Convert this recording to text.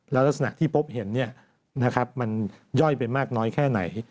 แล้วลักษณะที่พบเห็นมันย่อยไปมากน้อยแค่ไหน